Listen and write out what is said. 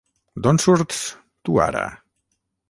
D'on surts, tu ara?